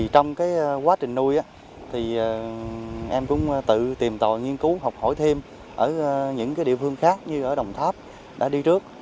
trong quá trình nuôi em cũng tự tìm tòi nghiên cứu học hỏi thêm ở những địa phương khác như ở đồng tháp đã đi trước